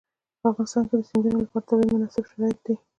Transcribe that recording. په افغانستان کې د سیندونه لپاره طبیعي شرایط مناسب دي.